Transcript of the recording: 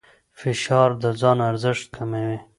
فشار د ځان ارزښت کموي.